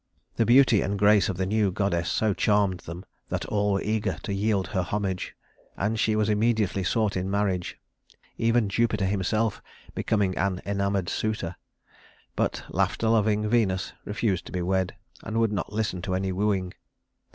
The beauty and grace of the new goddess so charmed them that all were eager to yield her homage, and she was immediately sought in marriage even Jupiter himself becoming an enamored suitor. But "laughter loving" Venus refused to be wed, and would not listen to any wooing.